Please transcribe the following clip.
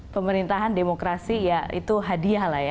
pemerintahan demokrasi ya itu hadiah lah ya